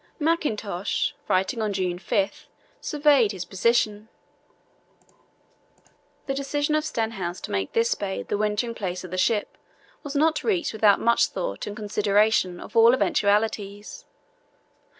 Mackintosh, writing on June 5, surveyed his position: "The decision of Stenhouse to make this bay the wintering place of the ship was not reached without much thought and consideration of all eventualities.